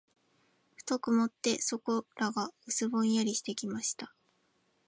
ふと曇って、そこらが薄ぼんやりしてきました。